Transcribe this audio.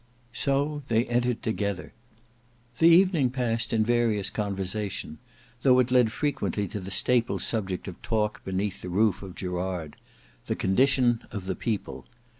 So they entered together. The evening passed in various conversation, though it led frequently to the staple subject of talk beneath the roof of Gerard—the Condition of the People.